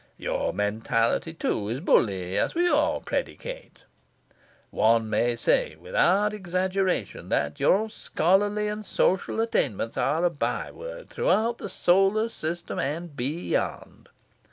Your mentality, too, is bully, as we all predicate. One may say without exaggeration that your scholarly and social attainments are a by word throughout the solar system, and be yond.